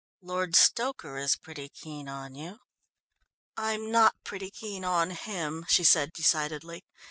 Lord Stoker is pretty keen on you." "I'm not pretty keen on him," she said decidedly.